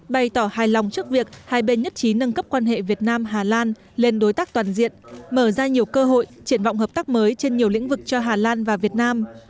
bày tỏ hài lòng trước việc hai bên nhất trí nâng cấp quan hệ việt nam hà lan lên đối tác toàn diện mở ra nhiều cơ hội triển vọng hợp tác mới trên nhiều lĩnh vực cho hà lan và việt nam